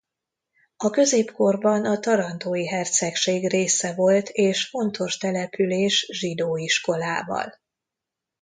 A középkorban a Tarantói Hercegség része volt és fontos település zsidó iskolával.